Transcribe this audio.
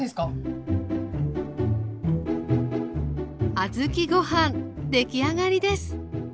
小豆ご飯出来上がりです。